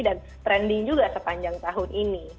dan trending juga sepanjang tahun ini